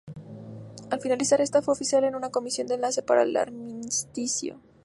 Al finalizar esta, fue oficial en una Comisión de Enlace para el Armisticio.